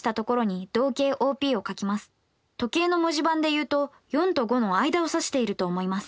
時計の文字盤で言うと４と５の間を指していると思います。